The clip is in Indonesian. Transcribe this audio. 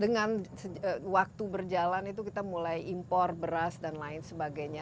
dengan waktu berjalan itu kita mulai impor beras dan lain sebagainya